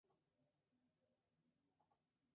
La voz es interpretada por Steve Blum.